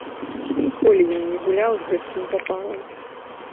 Ніколі ён не гуляў з гэткім запалам.